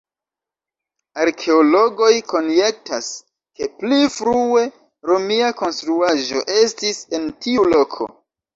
Arkeologoj konjektas, ke pli frue romia konstruaĵo estis en tiu loko.